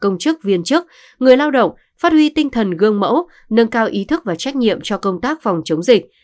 công chức viên chức người lao động phát huy tinh thần gương mẫu nâng cao ý thức và trách nhiệm cho công tác phòng chống dịch